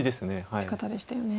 打ち方でしたよね。